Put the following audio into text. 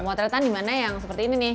motretan dimana yang seperti ini nih